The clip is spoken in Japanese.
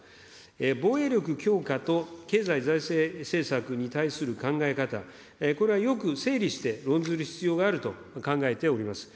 防衛力強化と経済財政政策に対する考え方、これはよく整理して論ずる必要があると考えております。